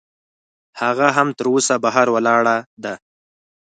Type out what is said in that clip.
هغه هم تراوسه بهر ولاړه ده.